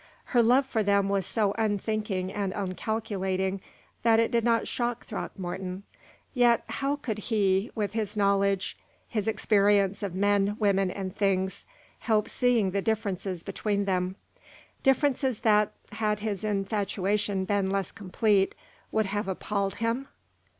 Her love for them was so unthinking and uncalculating that it did not shock Throckmorton; yet how could he, with his knowledge, his experience of men, women, and things, help seeing the differences between them differences that, had his infatuation been less complete, would have appalled him?